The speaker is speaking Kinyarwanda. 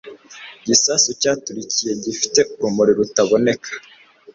Igisasu cyaturikiye gifite urumuri rutabona.